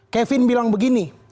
kevin bilang begini